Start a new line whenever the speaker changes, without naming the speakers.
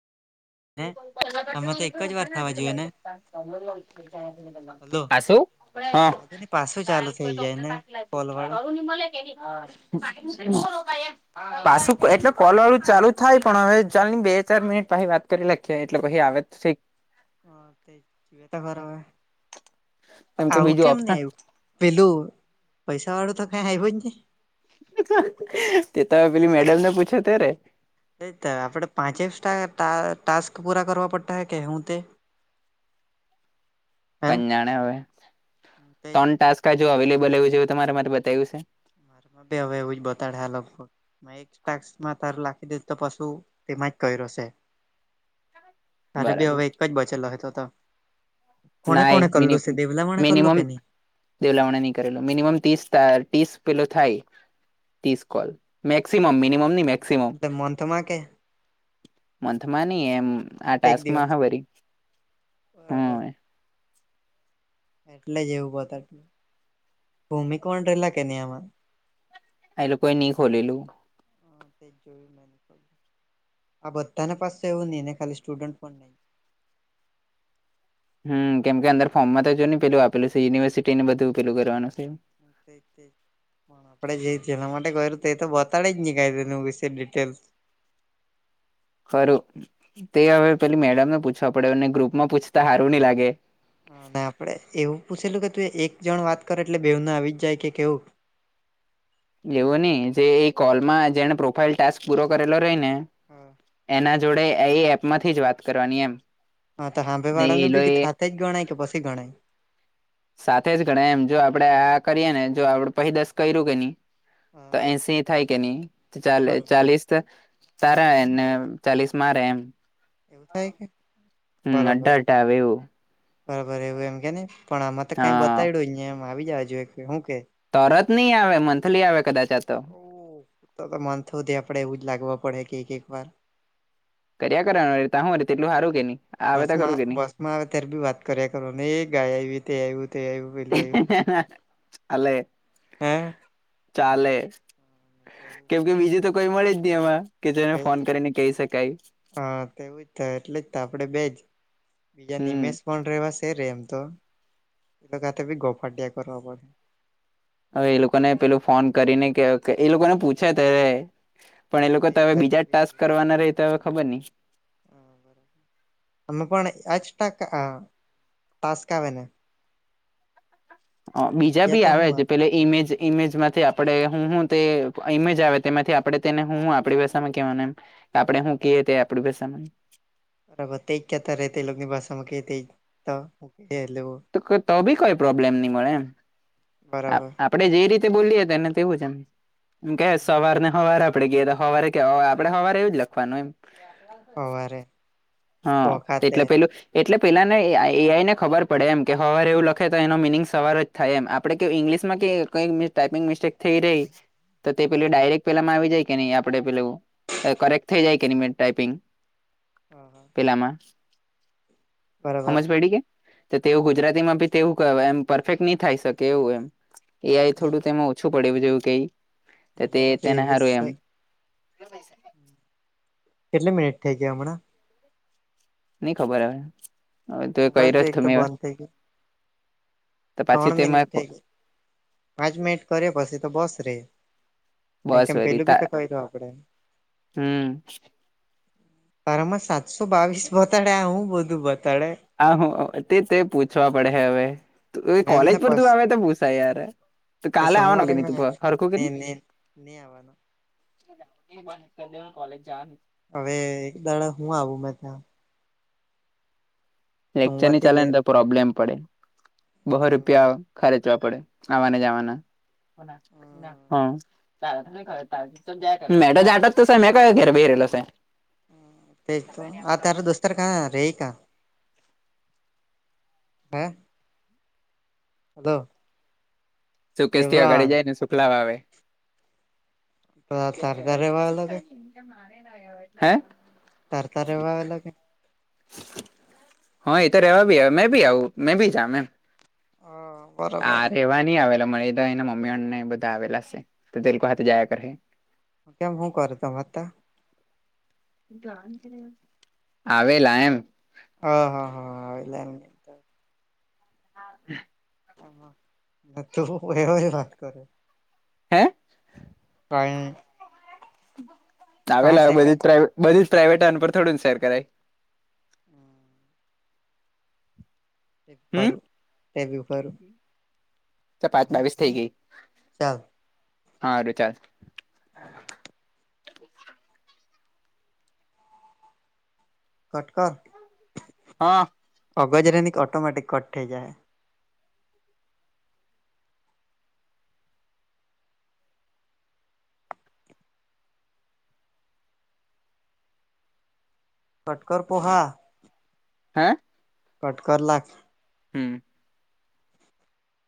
[inaudible]
ને આમાં તો એક જ વાર થવા જોઈએ ને હલો
આ શું? હા
આજે ને પાછું ચાલુ થઈ જાય ને કોલ વાળો
[unintelligible] પાછું એટલે કોલ વાળું ચાલુ થાય પણ હવે ચાલની બે ચાર મિનિટ પછી વાત કરી નાખીએ કે એટલે પછી આવે તો ઠીક.
હ તે એ તો બરોબર હ
કે
આવું
બીજું
કેમ ની
ઓપ્શન
આવ્યું. પેલું પૈસા વાળું તો ક્યાંય આયવું જ નય.
તે તો હવે પેલી મેડમ ને પૂછે ત્યારે.
તે આપડે પાંચે ટા ટાસ્ક પૂરા કરવા પડતા એવું કે, [inaudible]
કોણ જાણે હવે,
તે
ત્રણ ટાસ્ક જો અવેલેબલ છે એવું તમારામા બતાવ્યું છે.
માં તે હવે એવું જ બતાડે આ લોકો, મેઈન ટાસ્કમાં તારું લખી દે તો પછું તેમાં જ કર્યો છે. તારે બી
બરાબર
હવે એક જ બચેલો છે તોતો. કોને
ના
કોને
એક
કરલું
મિનિટ
માણે કરલું
મીનીમમ,
કે નહી
દેવલામણા નહી કરેલું, મિનિમમ ત્રીસ ત્રીસ પેલો થાય ત્રીસ કોલ. મેક્સિમમ મીનીમમ નય મેક
એટલે મંથમાં કે,
મંથમાં નની એમ આ
એક દિવસ
ટાસ્કમાં હ વરી હ,
બરાબર એટલે જ એવું બતા ભૂમિકોણ રહેેલા કે નહીં આમાં,
એ લોકો ઈ ની ખોલેલું.
હા જોયું મે આ બધાને પાસે એવું નહી ને ખાલી સ્ટુડન્ટ પણ નહી,
હમ કેમ કે અંદર ફોર્મમાં તો જો નને પેલું આપેલ છે યુનિવર્સિટી ને બધું પેલું કરવાનું છે.
[unintelligible] હ આપડે જઈ જેના માટે કરય તે તો બતાડે જ નહી કાઇ વિશે ડિટેલ,
ખરું તે હવે પેલી મેડમને પૂછવા પડે એને ગ્રુપમાં પૂછતા સારું નહિ લાગે.
આપડે એવું પૂછેલું કે તું એ એક જણ વાત કર એટલે બેઉ ન આવી જ જાય કે કેવું.
એવો નહી જે એ કોલમાં જેને પ્રોફાઈલ ટાસ્ક પૂરો કરેલો રહી ને,
હા.
એના જોડે એ એપમાંથી જ વાત કરવાની એમ,
હા તો સાભે
ને એ
વાળાનું
લો
બી
એ
થા જ ગણાય કે પછી ગણાય.
સાથે જ ગણા એમ જો આપડે આ કરીએ ને જો આપડે પહી દસ કર્યું કે નહી.
હા
તો એસી થાય કે નહી ત ચા
બરોબર
ચાલીસ, [unintelligible] સારા એને ચાલીસ મારે એમ,
એવું થાય કે,
હમ અટ
બરાબર
અટ આવે એવું.
બરાબર એવું એમ કે ને પણ આમાં તો કઈ
હા
બતાવીડો એમ આવી જવા જોએ હું કે,
તરત નહી આવે મંથલી આવે કદાચ આ તો,
તો તો મન્થ સુદે આપડે એવું જ લાગવા પડે કે એક એક વાર,
કર્યા કરવા હું તેટલું સારું કે નહી આવેતા ખરું કે નહી.
અત્યારે બી વાત કર્યા કરો ને એ ગાય આવી તે આવ્યું તે આવ્યું. પેલું
ચાલે,
આવ્યું
ચાલે,
હે તેવું
કેમ કે બીજું તો કોઈ મળે જ નહી એમાં કે જેને ફોન કરીને કહી શકાય.
હા તેવું જ થાય એટલે જ તો આપડે બેજ, બીજા
હમ
નિમેષ પણ રેવાશે રેમ તો એતે બી ગોફાટિયા કરવા પડે.
હવે એ લોકોને પેલું ફોન કરીને કે એ લોકોને પૂછે ત્યારે, પણ એ
હા
લોકો
તે
તો હવે
તે
બીજા જ
બી
ટાસ્ક
એવું
કરવાના રહે તો હવે ખબર નહી.
હા બરાબર હ પણ એચ ટકા ટાસ્કા આવેના,
હ બીજા બી
તો
આવે
હું
છે પેલે, ઇમેજ ઇમેજમાંથી આપણે હું હું તે ઇમેજ આવે તેમાંથી આપણે તેને હું આપણી ભાષામાં કેહેવાના એમ, આપડે હું કએ તે આપડું ભાસા માં એમ,
બરાબર તેજ કહેતા રહે તે એ લોગની ભાષામાં કે તે જ તો કે એટલે વ,
તો તો બી કોઈ પ્રોબ્લેમ નહી મળે એમ
બરાબર
આપડે જે રીતે બોલીએ ત એને તેવું છે એમ એમ કે સવાર ને હવાર આપડે ઘેર હવારે કે હવે આપણે હવારે એવું જ લખવાનું એમ
હવારે
હા
વખાતે
એટલે પેલું એટલે પેલાને એઆઈ ને ખબર પડે એમ કે હવાર એવું લખે તો એનો મિનિંગ સવાર જ થાય એમ આપણે ઇંગ્લિશમાં કઈ ટાઈપિંગ મિસ્ટેક થઈ રહી તો તે પેલી
હા
ડાયરેક્ટ પેલામાં આવી જાય કે નહી આપડે પેલું કરેક્ટ થઈ જાય કે ટાઈપિંગ
હા હા
પેલા માં
બરાબર
હમજ પડી કે તો તેવું ગુજરાતી માં બી તેવું કહેવાય એમ પરફેક્ટ નહી થાય શકે એવું એમ એ આઈ થોડું તેમાં ઓછ પડે જેવું કઈ તે
જરા
તેને
એવીસ
હારું એમ
કેટલી મિનિટ થઈ ગયા હમણાં
નઈ ખબર હ હવે તું એ
મોબાઈલ
કર્યો
એક
તો મે
બંધ થઈ ગયું
તો પછી
ત્રણ મિનિટ
તેમાં
થઈ ગઈ પાંચ મિનિટ કર્યો પછી તો બસ રે કારણ
બસ
કેમ
વરી
પેલું બી તો
તા
કહી દઉ આપડે
હમ
તાર આમાં સાતસો બાવીસ બતાડે હું બધું બતાડે
આ તે તે પૂછવા પડે હ હવે કોલેજ
મેમને
પર તું આવે તો પૂછાય યાર તું કાલે આવવાનો
સોમવારે
કે ન તું હરખું કે ન
નહી આવવાનો
એ બંધ કર દેવાનું કોલેજ જવાનુ
હવે એક દાડા હું આવું મે ત્યાં
લેક્ચર નહીં
સોમવારથી જ
ચાલેને તો પ્રોબ્લેમ પડે બહુ રૂપિયા ખર્ચવા પડે આવાને જવાના હા [unintelligible] મે તો જાતો મે કા ઘર બેહી રહેલો સા
તે તો આ તારો દોસ્તાર કા રહેકા હે હાલો
સુકેશ થી અગાળ જાય ને સુખલા વા આવે
પ તાર કા રહેવા લ કે
મારે [unintelligible] હે
તારે કા રહેવાનું કે
હા એ તો રહેવા બી આવે મેં બી આવું મેં બી જાવું એમ
હા
આ ર રહેવા નહી આવેલા મળ તો એના મમ્મીને બધા આવેલા હ તો તે લોકો હાથે જયા કરે
કેમ હું કરે તમારે ત્યા
આવેલા એમ
હા હા હા હા એટલે એમ
હા
અહ [unintelligible] એવ વાત કરે
હે
કાંઇ નહી
આવેલા બધી
સેકન્ડ
જ પ્ર બધી જ પ્રાઈવેટ પર થોડું સેર કરાય હમ
કરુ તેવુ કરુ
ચલ પાંચ બાવીસ થઈ ગઈ
ચાલ
હારુ ચાલ
હા કટકર
હા
અવાજ રહીને ઓટોમેટિક કટ થઈ જાય કટકર પ પોહા
હે
કટ કર લાખ
હમ